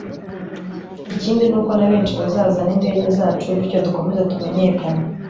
ikindi ni uko na benshi bazaza n’indege zacu bityo dukomeze tumenyekane